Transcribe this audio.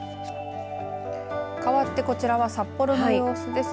かわってこちらは札幌の様子です。